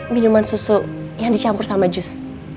minuman susu yang dicampur sama jus